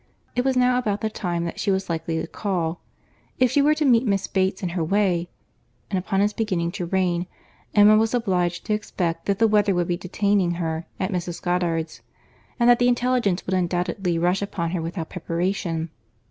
It was now about the time that she was likely to call. If she were to meet Miss Bates in her way!—and upon its beginning to rain, Emma was obliged to expect that the weather would be detaining her at Mrs. Goddard's, and that the intelligence would undoubtedly rush upon her without preparation.